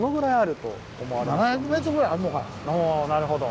おなるほど。